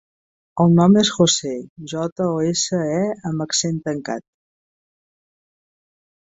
El nom és José: jota, o, essa, e amb accent tancat.